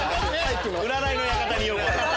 占いの館にようこそ。